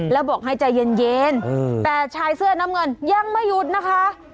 แล้วบอกให้ใจเย็นแต่ชายเสื้อน้ำเงินยังไม่หยุดนะคะ